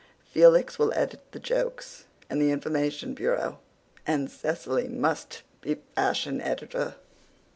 Felix will edit the jokes and the Information Bureau, and Cecily must be fashion editor.